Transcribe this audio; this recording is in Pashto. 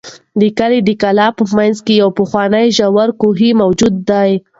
د کلي د کلا په منځ کې یو پخوانی ژور کوهی موجود دی.